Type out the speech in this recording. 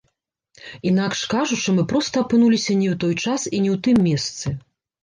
Інакш кажучы, мы проста апынуліся не ў той час і не ў тым месцы.